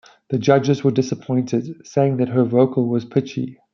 The judges were disappointed, saying that her vocal was pitchy.